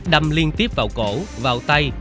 đâm liên tiếp vào cổ vào tay